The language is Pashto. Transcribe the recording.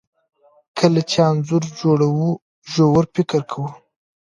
کله چې انځور جوړوو ژور فکر کوو.